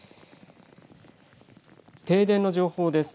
停電の情報です。